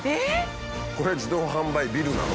これ自動販売ビルなの？